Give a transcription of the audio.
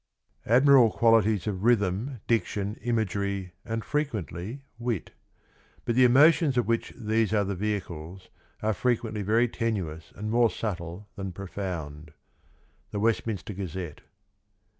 ... Admirable qualities of rhythm, diction, imagery, and frequently, wit ; but the emotions of which these are the vehicles are frequently very tenuous and more subtle than profound. — The Westminster Gazette.